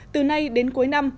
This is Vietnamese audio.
từ nay đến cuối năm